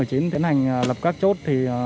tiến hành lập các chốt